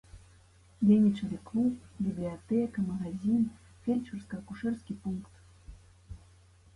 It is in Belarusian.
Дзейнічалі клуб, бібліятэка, магазін, фельчарска-акушэрскі пункт.